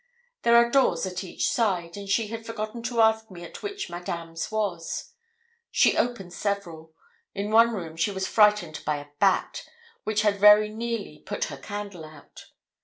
There are doors at each side, and she had forgotten to ask me at which Madame's was. She opened several. In one room she was frightened by a bat, which had very nearly put her candle out.